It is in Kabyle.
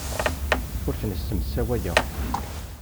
Ur ten-ssemsawayeɣ.